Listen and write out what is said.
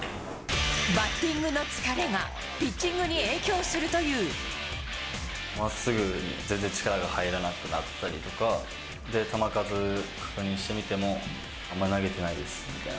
バッティングの疲れが、まっすぐに全然力が入らなくなったりとか、で、球数確認してみても、あんまり投げてないですみたいな。